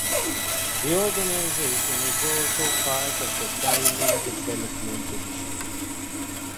This organization is also part of the Diamond Development Initiative.